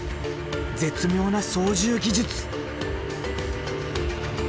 絶妙な操縦技術！